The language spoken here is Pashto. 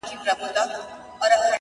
o د جهنم منځ کي د اوسپني زنځیر ویده دی ـ